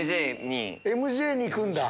ＭＪに行くんだ。